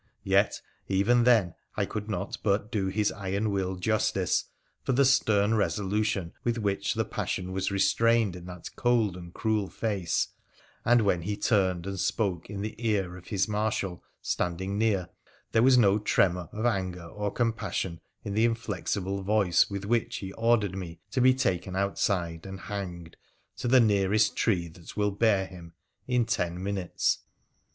Yet even then I could not but do his iron will justice for the stern resolution with which the passion was restrained in that cold and cruel face, and when he turned and spoke in the ear of his marshal standing near there was no tremor of anger or compassion in the inflexible voice with which he ordered me to be taken outside and hanged ' to the nearest tree that will bear him ' in ten minutes.